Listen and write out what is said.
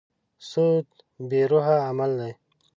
سود بې روحه عمل دی.